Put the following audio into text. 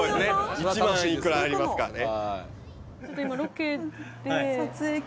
一万いくらありますからね。